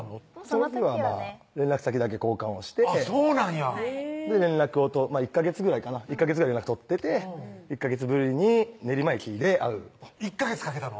その時はね連絡先だけ交換をしててそうなんや連絡を１ヵ月ぐらいかな１ヵ月ぐらい連絡取ってて１ヵ月ぶりに練馬駅で会う１ヵ月かけたの？